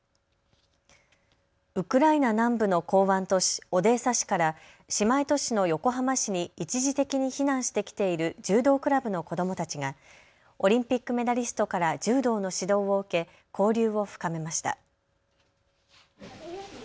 ウクライナ南部の港湾都市オデーサ市から姉妹都市の横浜市に一時的に避難してきている柔道クラブの子どもたちがオリンピックメダリストから柔道の指導を受け交流を深めました。